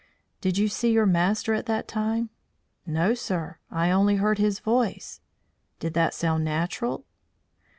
"Did you see your master at that time?" "No, sir, I only heard his voice." "Did that sound natural?"